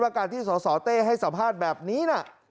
การที่สสเต้ให้สัมภาษณ์แบบนี้น่ะ